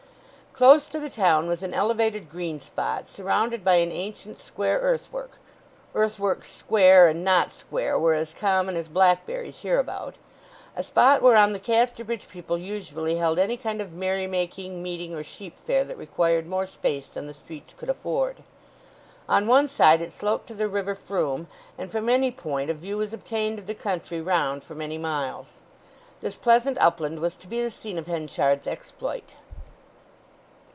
Close to the town was an elevated green spot surrounded by an ancient square earthwork—earthworks square and not square, were as common as blackberries hereabout—a spot whereon the Casterbridge people usually held any kind of merry making, meeting, or sheep fair that required more space than the streets would afford. On one side it sloped to the river Froom, and from any point a view was obtained of the country round for many miles. This pleasant upland was to be the scene of Henchard's exploit.